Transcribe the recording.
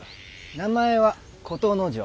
名前は琴之丞。